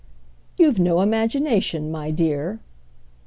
"You've no imagination, my dear!"